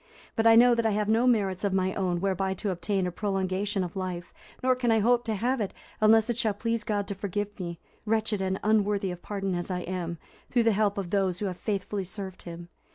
But I know that I have no merits of my own whereby to obtain a prolongation of life, nor can I hope to have it, unless it shall please God to forgive me, wretched and unworthy of pardon as I am, through the help of those who have faithfully served him.